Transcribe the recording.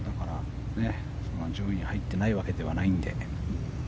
上位に入ってないわけではないので。